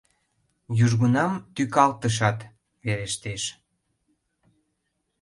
Южгунам тӱкалтышат верештеш.